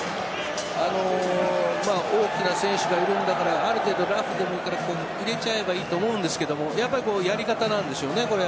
大きな選手がいるんだからある程度入れちゃえばいいと思うんですがやっぱりやり方なんでしょうね。